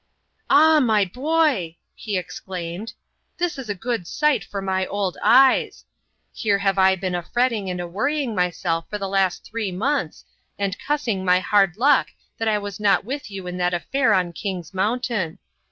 "Ah, my boy!" he exclaimed, "this is a good sight for my old eyes. Here have I been a fretting and a worrying myself for the last three months, and cussing my hard luck that I was not with you in that affair on King's Mountain.